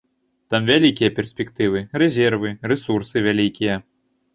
Там вялікія перспектывы, рэзервы, рэсурсы вялікія.